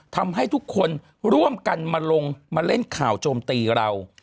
ทำให้ทุกคนร่วมกันมาลงมาเล่นข่าวโจมตีเรา